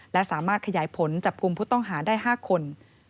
และสามารถขยายผลจับกลุ่มผู้ต้องหาได้๕คน